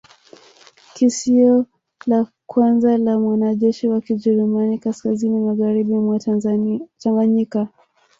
Kisio la kwanza la mwanajeshi wa Kijerumani kaskazini magharibi mwa Tanganyika